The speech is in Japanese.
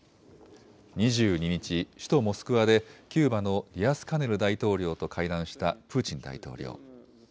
２２日、首都モスクワでキューバのディアスカネル大統領と会談したプーチン大統領。